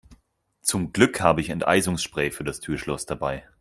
Zum Glück habe ich Enteisungsspray für das Türschloss dabei.